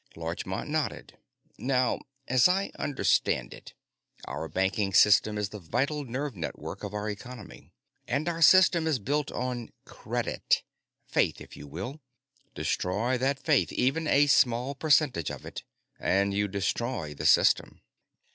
Larchmont nodded. "Now, as I understand it, our banking system is the vital nerve network of our economy. And our system is built on credit faith, if you will. Destroy that faith even a small percentage of it and you destroy the system.